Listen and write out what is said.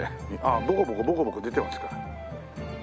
ボコボコボコボコ出てますから。